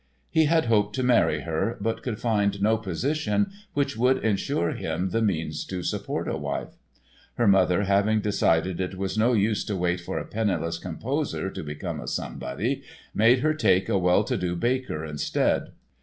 He had "hoped to marry her" but could find no position which would insure him the means to support a wife. Her mother having decided it was no use to wait for a penniless composer to become a somebody made her take a well to do baker instead.